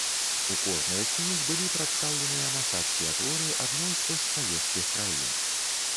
У кожнай з кніг былі прадстаўленыя мастацкія творы адной з постсавецкіх краін.